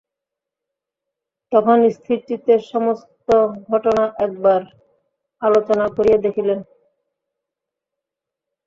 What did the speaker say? তখন স্থির চিত্তে সমস্ত ঘটনা একবার আলোচনা করিয়া দেখিলেন।